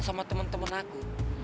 sama teman teman aku